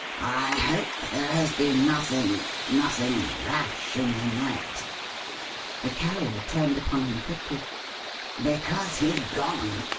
"I hope there has been nothing nothing rash in the night." The Carrier turned upon him quickly. "Because he's gone!"